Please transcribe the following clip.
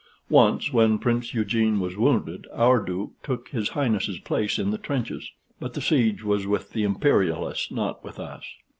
Once, when Prince Eugene was wounded, our Duke took his Highness's place in the trenches; but the siege was with the Imperialists, not with us.